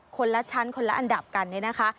คนละชั้นคนละอันดับกันเนี่ยนะคะ